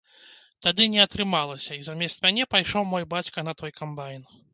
Тады не атрымалася, і замест мяне пайшоў мой бацька на той камбайн.